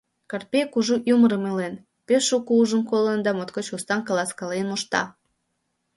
Карпей кужу ӱмырым илен, пеш шуко ужын-колын да моткоч устан каласкален мошта.